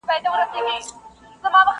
نه زما زخم د لکۍ سي جوړېدلای!.